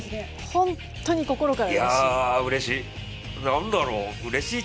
本当に心からうれしい。